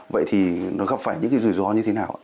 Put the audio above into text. vậy thì nó gặp phải những cái rủi ro như thế nào ạ